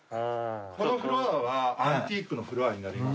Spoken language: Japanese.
このフロアはアンティークのフロアになりまして。